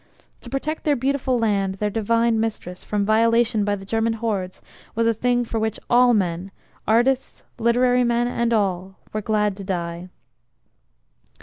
To protect their beautiful land, their divine mistress, from violation by the German hordes was a thing for which all men artists, literary men and all were glad to die.